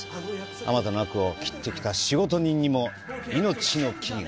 あまたの悪を斬ってきた仕事人にも命の危機が。